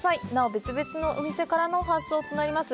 別々のお店からの発送になります。